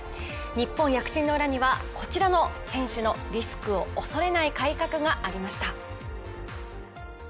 日本躍進の裏には、こちらの選手のリスクを恐れない改革がありました。